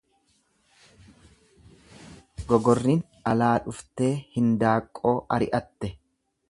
Gogorrin alaa dhuftee hindaaqqoo ari'atte.